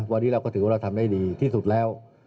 วันนี้เราก็ถือว่าเราทำได้ดีที่สุดแล้ว